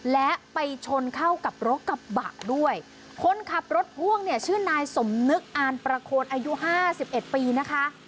และไปชนเข้ากับรถกระบะด้วยคนขับรถพ่วงเนี่ยชื่อนายสมนึกอ่านประโคนอายุห้าสิบเอ็ดปีนะคะ